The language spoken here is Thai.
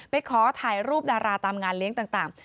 ขอถ่ายรูปดาราตามงานเลี้ยงต่าง